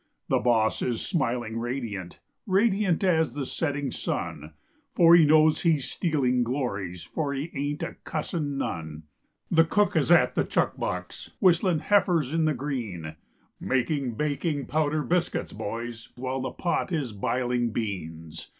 The boss is smiling radiant, Radiant as the setting sun; For he knows he's stealing glories, For he ain't a cussin' none. The cook is at the chuck box Whistling "Heifers in the Green," Making baking powder biscuits, boys, While the pot is biling beans.